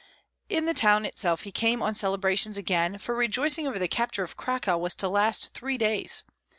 In the town itself he came on celebrations again, for rejoicing over the capture of Cracow was to last three days.